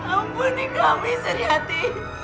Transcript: ampuni kami suri hati